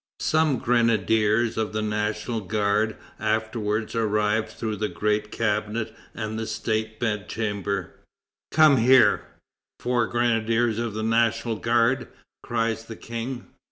Some grenadiers of the National Guard afterwards arrive through the Great Cabinet and the State Bedchamber. "Come here! four grenadiers of the National Guard!" cries the King.